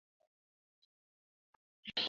ওদের সেতুর দিকে যাওয়ার টোপ দেবো।